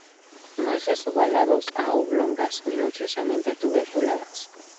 Nueces ovalados a oblongas, minuciosamente tuberculadas.